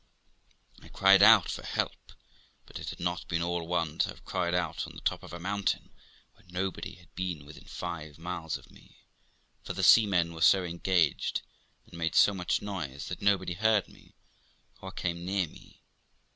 I cried out for help, but it had been all one to have cried out on the top of a mountain where nobody had been within five miles of me, for the seamen were so engaged and made so much noise that nobody heard me or came near me.